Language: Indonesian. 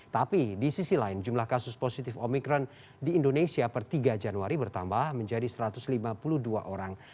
tapi di sisi lain jumlah kasus positif omikron di indonesia per tiga januari bertambah menjadi satu ratus lima puluh dua orang